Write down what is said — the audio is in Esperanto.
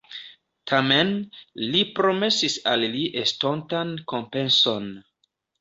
Tamen, li promesis al li estontan kompenson.